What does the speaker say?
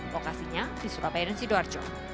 lokasinya di surabaya dan sidoarjo